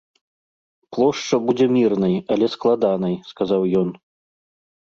Плошча будзе мірнай, але складанай, сказаў ён.